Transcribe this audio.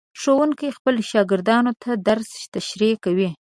ښوونکي خپلو شاګردانو ته درس تشریح کوي.